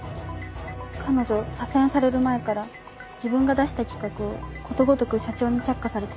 彼女左遷される前から自分が出した企画をことごとく社長に却下されてたんです。